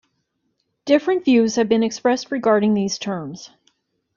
Different views have been expressed regarding these terms.